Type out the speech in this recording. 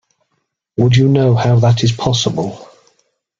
Would you know how that is possible?